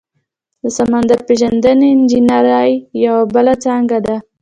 د سمندر پیژندنې انجنیری یوه بله څانګه ده.